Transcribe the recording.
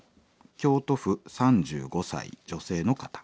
京都府３５歳女性の方。